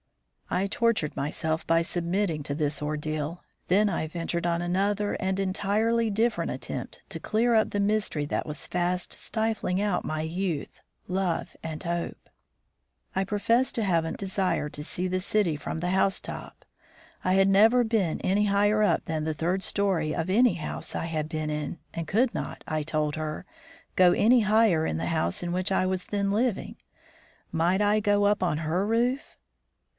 I tortured myself by submitting to this ordeal, then I ventured on another and entirely different attempt to clear up the mystery that was fast stifling out my youth, love and hope. I professed to have an extraordinary desire to see the city from the house top. I had never been any higher up than the third story of any house I had been in, and could not, I told her, go any higher in the house in which I was then living. Might I go up on her roof?